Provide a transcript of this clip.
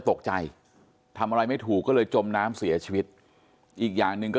ตกใจทำอะไรไม่ถูกก็เลยจมน้ำเสียชีวิตอีกอย่างหนึ่งก็